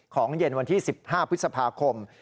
เย็นวันที่๑๕พฤษภาคม